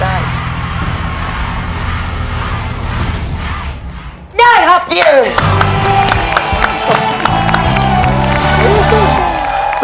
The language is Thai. เดมสุดเลยลูก